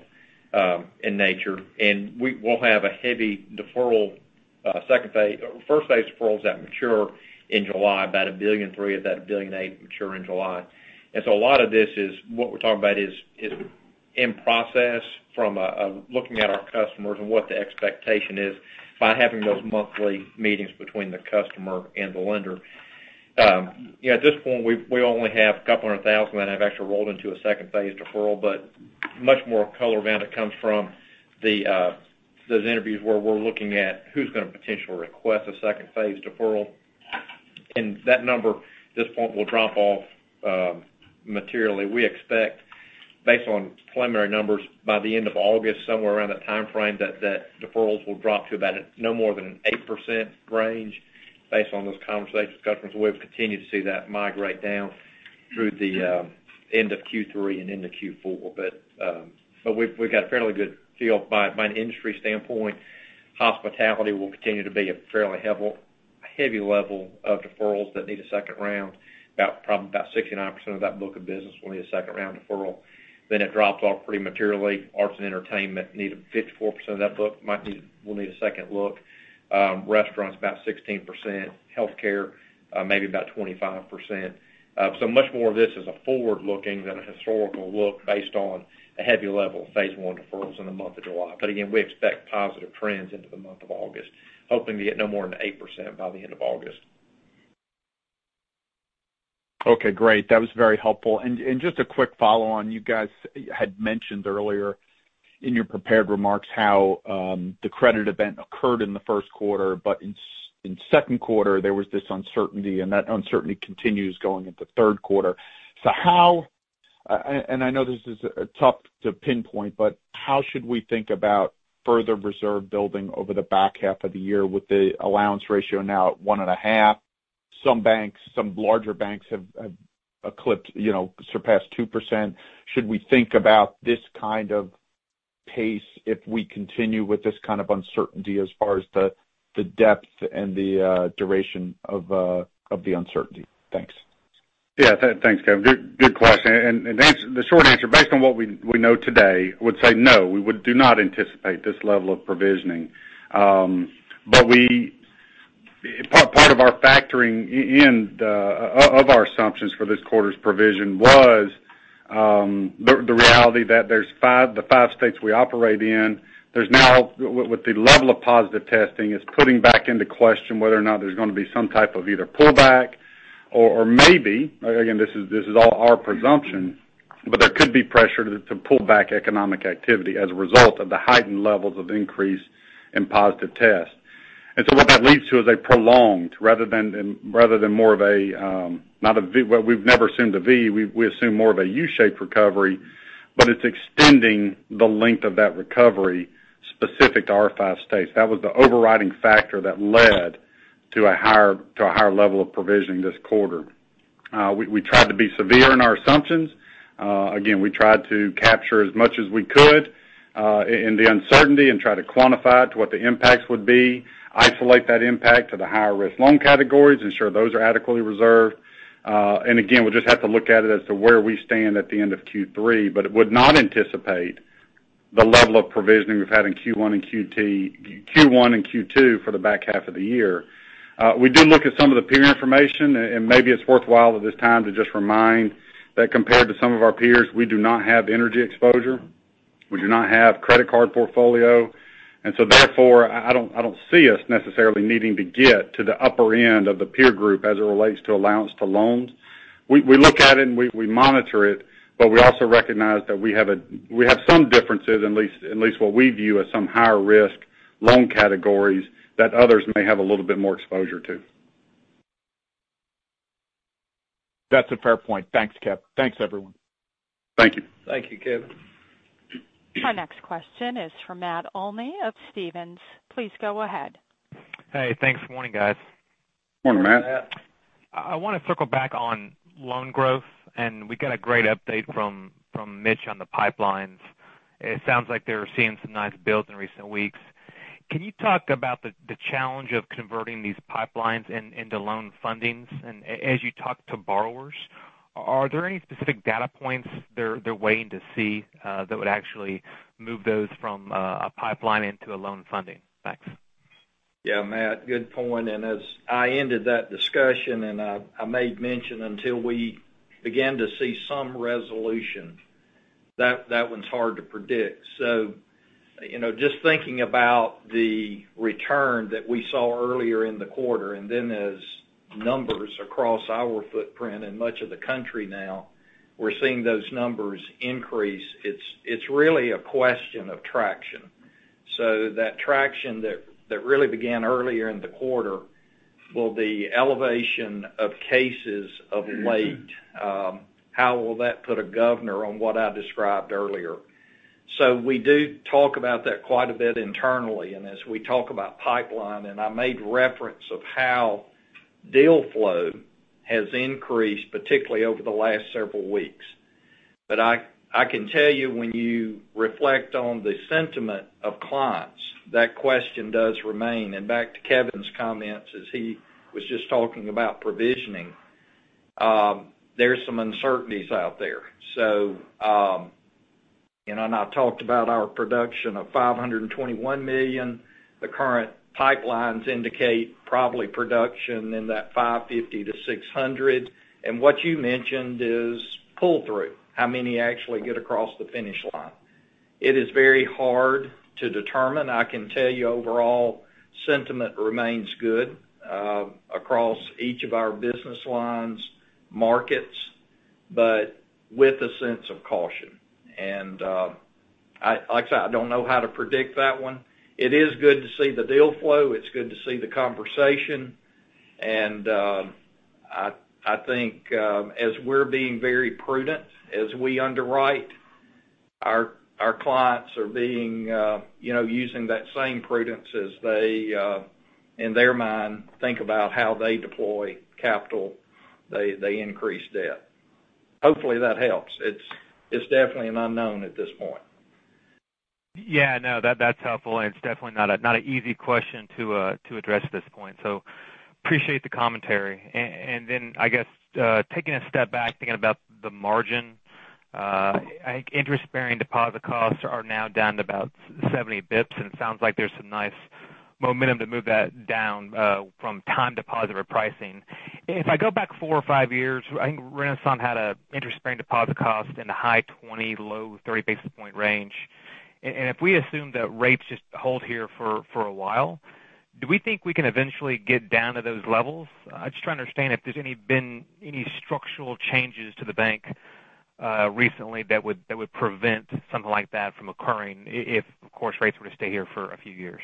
in nature, and we'll have a heavy phase I deferrals that mature in July. About $1.3 billion of that $1.8 billion mature in July. A lot of this is, what we're talking about is in process from looking at our customers and what the expectation is by having those monthly meetings between the customer and the lender. At this point, we only have couple of that have actually rolled into a phase II deferral, but much more color around it comes from those interviews where we're looking at who's going to potentially request a phase II deferral. That number, at this point, will drop off materially. We expect, based on preliminary numbers, by the end of August, somewhere around that timeframe, that deferrals will drop to about no more than an 8% range based on those conversations with customers. We'll continue to see that migrate down through the end of Q3 and into Q4. We've got a fairly good feel by an industry standpoint, hospitality will continue to be a fairly heavy level of deferrals that need a second round. About 69% of that book of business will need a second-round deferral. It drops off pretty materially. Arts and entertainment need a 54% of that book will need a second look. Restaurants, about 16%. Healthcare, maybe about 25%. So much more of this is a forward-looking than a historical look based on a heavy level of phase I deferrals in the month of July. Again, we expect positive trends into the month of August, hoping to get no more than 8% by the end of August.
Okay, great. That was very helpful. Just a quick follow-on. You guys had mentioned earlier in your prepared remarks how the credit event occurred in the first quarter, but in second quarter, there was this uncertainty, and that uncertainty continues going into third quarter. I know this is tough to pinpoint, but how should we think about further reserve building over the back half of the year with the allowance ratio now at one and a half? Some larger banks have surpassed 2%. Should we think about this kind of pace if we continue with this kind of uncertainty as far as the depth and the duration of the uncertainty? Thanks.
Yeah. Thanks, Kevin. Good question. The short answer, based on what we know today, would say, no, we do not anticipate this level of provisioning. Part of our factoring in of our assumptions for this quarter's provision was the reality that the five states we operate in, with the level of positive testing, is putting back into question whether or not there's going to be some type of either pullback or, maybe, again, this is all our presumption, but there could be pressure to pull back economic activity as a result of the heightened levels of increase in positive tests. What that leads to is a prolonged rather than more of a, well, we've never assumed a V, we assume more of a U-shaped recovery, but it's extending the length of that recovery specific to our five states. That was the overriding factor that led to a higher level of provisioning this quarter. We tried to be severe in our assumptions. We tried to capture as much as we could in the uncertainty and try to quantify it to what the impacts would be, isolate that impact to the higher-risk loan categories, ensure those are adequately reserved. We'll just have to look at it as to where we stand at the end of Q3. Would not anticipate the level of provisioning we've had in Q1 and Q2 for the back half of the year. We do look at some of the peer information, and maybe it's worthwhile at this time to just remind that compared to some of our peers, we do not have energy exposure. We do not have credit card portfolio. Therefore, I don't see us necessarily needing to get to the upper end of the peer group as it relates to allowance to loans. We look at it and we monitor it. We also recognize that we have some differences, at least what we view as some higher-risk loan categories that others may have a little bit more exposure to.
That's a fair point. Thanks, Kevin. Thanks, everyone.
Thank you.
Thank you, Kevin.
Our next question is from Matt Olney of Stephens. Please go ahead.
Hey, thanks. Morning, guys.
Morning, Matt.
Morning, Matt.
I want to circle back on loan growth, and we got a great update from Mitch on the pipelines. It sounds like they're seeing some nice builds in recent weeks. Can you talk about the challenge of converting these pipelines into loan fundings? As you talk to borrowers, are there any specific data points they're waiting to see that would actually move those from a pipeline into a loan funding? Thanks.
Yeah, Matt, good point. As I ended that discussion, I made mention until we begin to see some resolution, that one's hard to predict. Just thinking about the return that we saw earlier in the quarter, and then as numbers across our footprint in much of the country now, we're seeing those numbers increase. It's really a question of traction. That traction that really began earlier in the quarter, will the elevation of cases of late, how will that put a governor on what I described earlier? We do talk about that quite a bit internally, and as we talk about pipeline. Deal flow has increased, particularly over the last several weeks. I can tell you when you reflect on the sentiment of clients, that question does remain. Back to Kevin's comments, as he was just talking about provisioning, there's some uncertainties out there. I talked about our production of $521 million. The current pipelines indicate probably production in that $550 million-$600 million. What you mentioned is pull-through, how many actually get across the finish line. It is very hard to determine. I can tell you overall sentiment remains good, across each of our business lines, markets, but with a sense of caution. Like I said, I don't know how to predict that one. It is good to see the deal flow. It's good to see the conversation. I think, as we're being very prudent, as we underwrite, our clients are using that same prudence as they, in their mind, think about how they deploy capital, they increase debt. Hopefully that helps. It's definitely an unknown at this point.
Yeah, no, that's helpful, and it's definitely not an easy question to address at this point. Appreciate the commentary. Then I guess, taking a step back, thinking about the margin, interest-bearing deposit costs are now down to about 70 basis points, and it sounds like there's some nice momentum to move that down, from time deposit or pricing. If I go back four or five years, I think Renasant had an interest-bearing deposit cost in the high 20, low 30 basis point range. If we assume that rates just hold here for a while, do we think we can eventually get down to those levels? I'm just trying to understand if there's been any structural changes to the bank recently that would prevent something like that from occurring, if of course, rates were to stay here for a few years.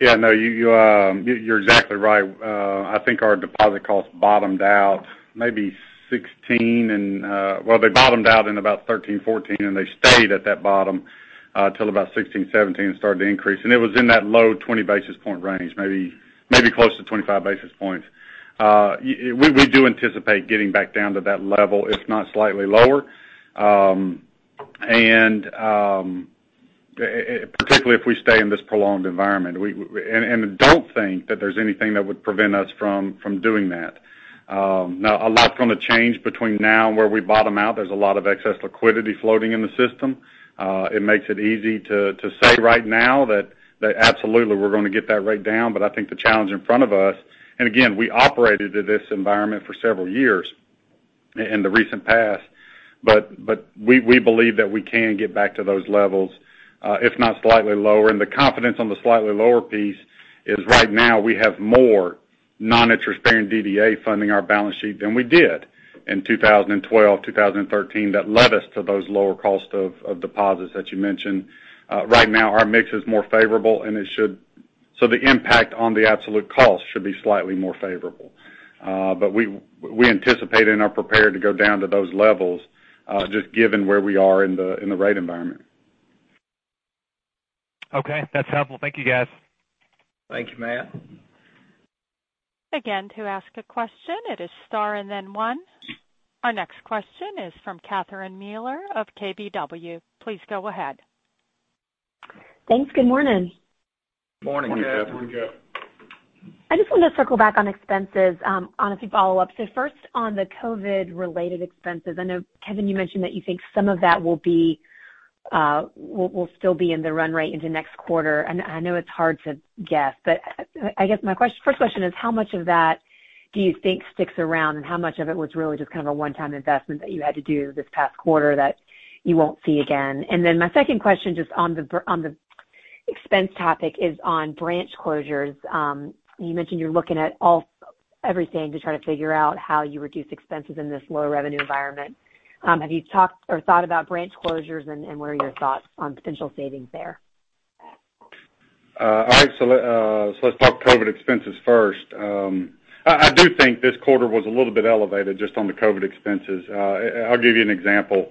Yeah, no, you're exactly right. I think our deposit costs bottomed out maybe 2016. They bottomed out in about 2013, 2014, and they stayed at that bottom till about 2016, 2017, started to increase. It was in that low 20 basis point range, maybe close to 25 basis points. We do anticipate getting back down to that level, if not slightly lower, and particularly if we stay in this prolonged environment. Don't think that there's anything that would prevent us from doing that. Now, a lot from the change between now and where we bottom out, there's a lot of excess liquidity floating in the system. It makes it easy to say right now that absolutely we're going to get that rate down. I think the challenge in front of us, and again, we operated in this environment for several years, in the recent past, we believe that we can get back to those levels, if not slightly lower. The confidence on the slightly lower piece is right now we have more non-interest bearing DDA funding our balance sheet than we did in 2012, 2013, that led us to those lower cost of deposits that you mentioned. Right now, our mix is more favorable, so the impact on the absolute cost should be slightly more favorable. We anticipate and are prepared to go down to those levels, just given where we are in the rate environment.
Okay. That's helpful. Thank you, guys.
Thank you, Matt.
Again, to ask a question, it is star and then one. Our next question is from Kathryn Mueller of KBW. Please go ahead.
Thanks. Good morning.
Morning, Kathryn. Morning, Kathryn.
I just wanted to circle back on expenses, on a few follow-ups. First, on the COVID-related expenses, I know, Kevin, you mentioned that you think some of that will still be in the run rate into next quarter. I know it's hard to guess, but I guess my first question is, how much of that do you think sticks around, and how much of it was really just kind of a one-time investment that you had to do this past quarter that you won't see again? My second question, just on the expense topic, is on branch closures. You mentioned you're looking at everything to try to figure out how you reduce expenses in this low-revenue environment. Have you talked or thought about branch closures, and what are your thoughts on potential savings there?
All right. Let's talk COVID expenses first. I do think this quarter was a little bit elevated just on the COVID expenses. I'll give you an example.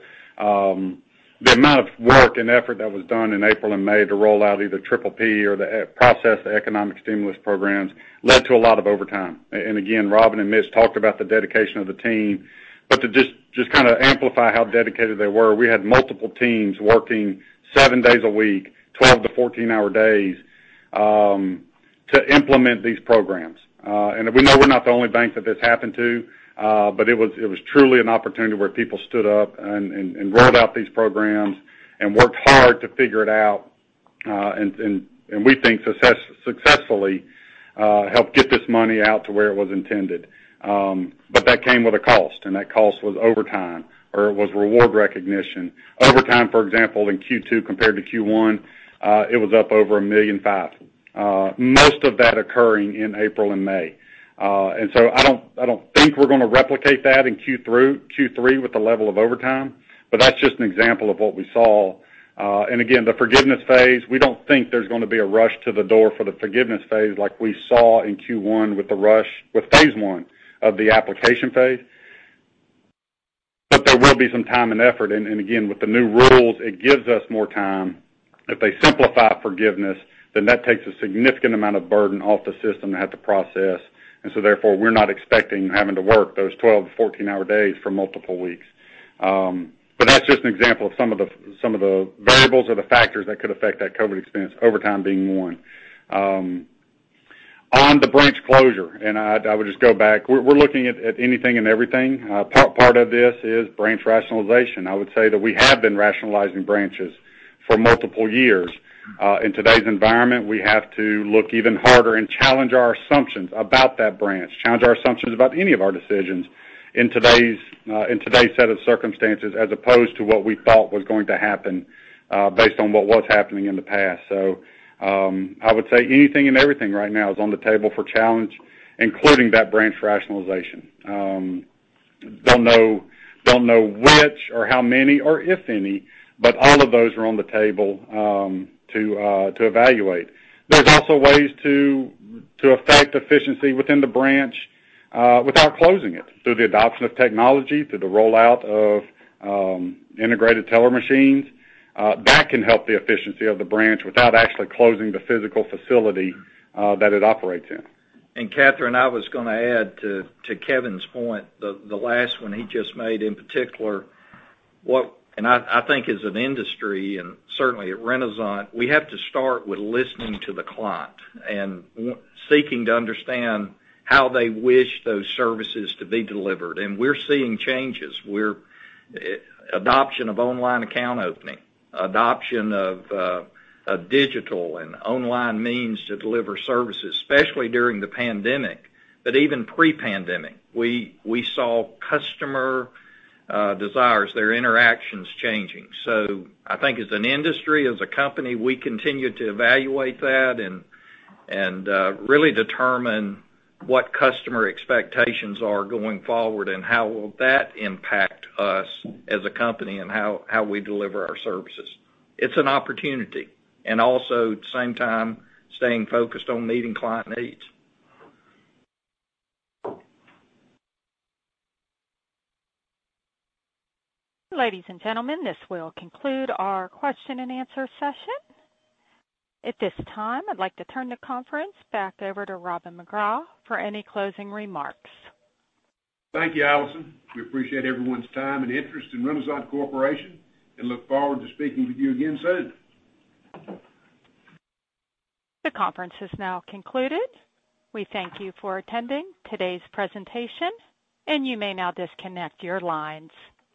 The amount of work and effort that was done in April and May to roll out either PPP or process the economic stimulus programs led to a lot of overtime. Again, Robin and Mitch talked about the dedication of the team. To just kind of amplify how dedicated they were, we had multiple teams working seven days a week, 12-14-hour days, to implement these programs. We know we're not the only bank that this happened to, but it was truly an opportunity where people stood up and rolled out these programs and worked hard to figure it out, and we think successfully, helped get this money out to where it was intended. That came with a cost, and that cost was overtime, or it was reward recognition. Overtime, for example, in Q2 compared to Q1, it was up over $1.5 million. Most of that occurring in April and May. I don't think we're going to replicate that in Q3 with the level of overtime, but that's just an example of what we saw. Again, the forgiveness phase, we don't think there's going to be a rush to the door for the forgiveness phase like we saw in Q1 with phase 1 of the application phase. There will be some time and effort. Again, with the new rules, it gives us more time. If they simplify forgiveness, then that takes a significant amount of burden off the system to have to process. Therefore, we're not expecting having to work those 12-14-hour days for multiple weeks. That's just an example of some of the variables or the factors that could affect that COVID expense, overtime being one. On the branch closure, I would just go back, we're looking at anything and everything. Part of this is branch rationalization. I would say that we have been rationalizing branches for multiple years. In today's environment, we have to look even harder and challenge our assumptions about that branch, challenge our assumptions about any of our decisions in today's set of circumstances, as opposed to what we thought was going to happen based on what was happening in the past. I would say anything and everything right now is on the table for challenge, including that branch rationalization. Don't know which or how many or if any, but all of those are on the table to evaluate. There's also ways to affect efficiency within the branch without closing it, through the adoption of technology, through the rollout of integrated teller machines. That can help the efficiency of the branch without actually closing the physical facility that it operates in.
Kathryn, I was going to add to Kevin's point, the last one he just made in particular. I think as an industry, and certainly at Renasant, we have to start with listening to the client and seeking to understand how they wish those services to be delivered. We're seeing changes. Adoption of online account opening, adoption of digital and online means to deliver services, especially during the pandemic. Even pre-pandemic, we saw customer desires, their interactions changing. I think as an industry, as a company, we continue to evaluate that and really determine what customer expectations are going forward and how will that impact us as a company and how we deliver our services. It's an opportunity, and also at the same time, staying focused on meeting client needs.
Ladies and gentlemen, this will conclude our question-and-answer session. At this time, I'd like to turn the conference back over to Robin McGraw for any closing remarks.
Thank you, Allison. We appreciate everyone's time and interest in Renasant Corporation and look forward to speaking with you again soon.
The conference is now concluded. We thank you for attending today's presentation, and you may now disconnect your lines.